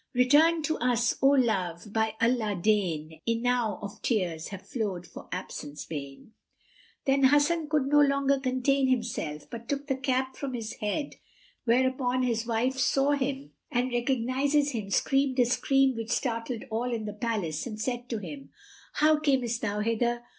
Return to us (O love!) by Allah, deign! * Enow of tears have flowed for absence bane." Then Hasan could no longer contain himself, but took the cap from his head; whereupon his wife saw him and recognising him screamed a scream which startled all in the palace, and said to him, "How camest thou hither?